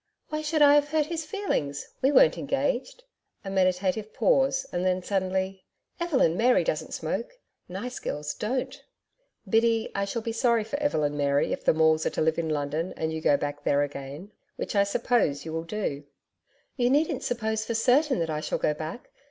'Why should I have hurt his feelings? We weren't engaged.' A meditative pause and then suddenly, 'Evelyn Mary doesn't smoke. Nice girls don't!' 'Biddy, I shall be sorry for Evelyn Mary if the Maules are to live in London and you go back there again which I suppose you will do.' 'You needn't suppose for certain that I shall go back.'